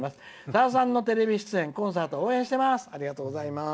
さださんのテレビ出演コンサート応援しています」。